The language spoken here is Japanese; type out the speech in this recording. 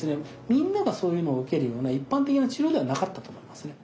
みんながそういうのを受けるような一般的な治療ではなかったと思いますね。